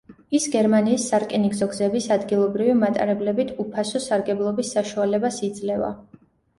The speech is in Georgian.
ის გერმანიის სარკინიგზო გზების ადგილობრივი მატარებლებით უფასო სარგებლობის საშუალებას იძლევა.